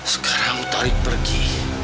sekarang kamu tarik pergi